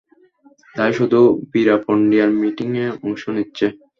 তাই শুধু ভীরাপান্ডিয়ান মিটিংয়ে অংশ নিচ্ছে।